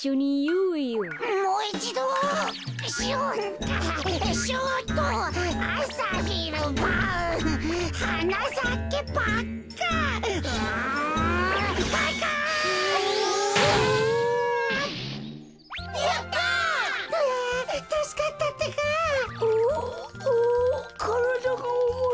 うううからだがおもい。